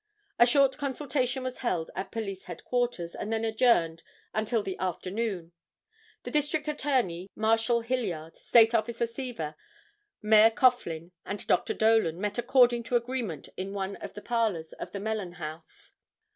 A short consultation was held at police headquarters and then adjourned until the afternoon. The District Attorney, Marshal Hilliard, State Officer Seaver, Mayor Coughlin and Dr. Dolan met according to agreement in one of the parlors of the Mellen House.